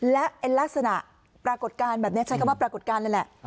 และลักษณะปรากฏการณ์แบบนี้ใช้คำว่าปรากฏการณ์เลยแหละ